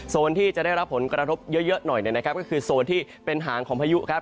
ที่จะได้รับผลกระทบเยอะหน่อยนะครับก็คือโซนที่เป็นหางของพายุครับ